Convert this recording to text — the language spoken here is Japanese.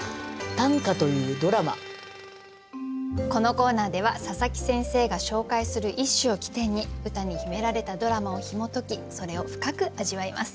このコーナーでは佐佐木先生が紹介する一首を起点に歌に秘められたドラマをひも解きそれを深く味わいます。